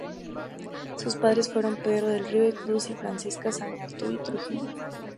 Sus padres fueron Pedro Del Río y Cruz y Francisca Zañartu y Trujillo.